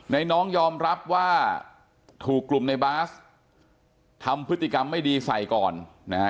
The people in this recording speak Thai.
น้องยอมรับว่าถูกกลุ่มในบาสทำพฤติกรรมไม่ดีใส่ก่อนนะฮะ